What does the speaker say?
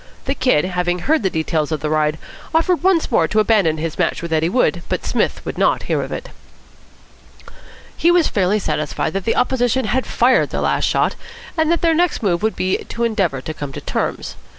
The Kid, having heard the details of the ride, offered once more to abandon his match with Eddie Wood, but Psmith would not hear of it. He was fairly satisfied that the opposition had fired their last shot, and that their next move would be to endeavour to come to terms.